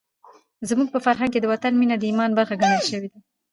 زموږ په فرهنګ کې د وطن مینه د ایمان برخه ګڼل شوې ده.